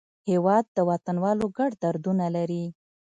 هېواد د وطنوالو ګډ دردونه لري.